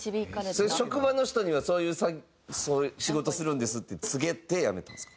それ職場の人にはそういう仕事するんですって告げてやめたんですか？